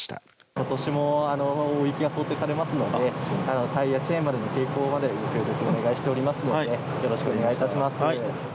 ことしも大雪が想定されますのでタイヤチェーンの携行のご協力をお願いしておりますのでよろしくお願いいたします。